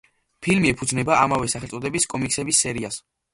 ფილმი ეფუძნება ამავე სახელწოდების კომიქსების სერიას.